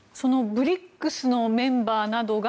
そのＢＲＩＣＳのメンバーなどが